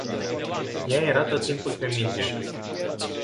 Ea era tot timpul pe minge.